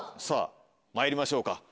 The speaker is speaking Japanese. さぁまいりましょうか。